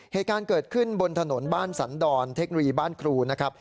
เหตุการณ์เกิดขึ้นบนถนนบ้านสันดรเทคโนโลยีบ้านครูนะครับ